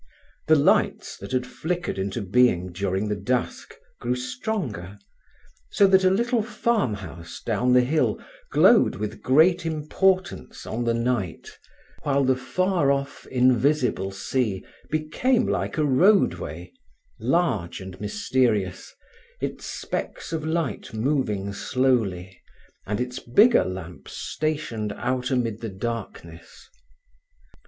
The lights that had flickered into being during the dusk grew stronger, so that a little farmhouse down the hill glowed with great importance on the night, while the far off in visible sea became like a roadway, large and mysterious, its specks of light moving slowly, and its bigger lamps stationed out amid the darkness.